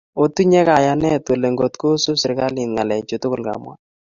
Otinye kayanet ole ngotkosub serkalit ngalechu tugul kamwa